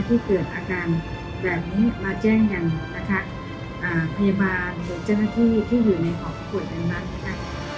ที่เกิดอาการแบบนี้มาแจ้งกันนะคะพยาบาลหรือเจ้าหน้าที่ที่อยู่ในหอผู้ป่วยนั้นนะคะ